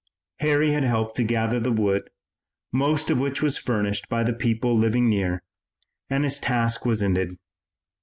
Harry had helped to gather the wood, most of which was furnished by the people living near, and his task was ended.